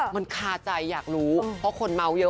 มันคาใจอยากรู้เพราะคนเมาส์เยอะ